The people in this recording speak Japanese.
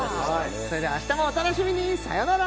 それでは明日もお楽しみにさよなら！